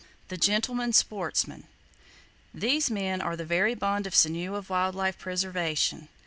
The Gentlemen Sportsmen. —These men are the very bone and sinew of wild life preservation.